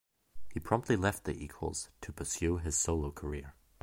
He promptly left The Equals to pursue his solo career.